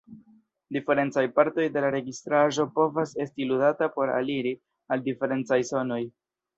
Diferencaj partoj de la registraĵo povas esti ludata por aliri al diferencaj sonoj.